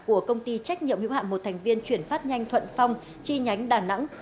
của công ty trách nhiệm hữu hạm một thành viên chuyển phát nhanh thuận phong chi nhánh đà nẵng